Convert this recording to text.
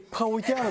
ある！